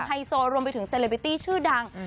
ไฮโซรวมไปถึงเซเลบิตี้ชื่อดัง